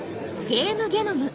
「ゲームゲノム」。